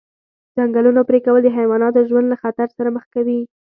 د ځنګلونو پرېکول د حیواناتو ژوند له خطر سره مخ کوي.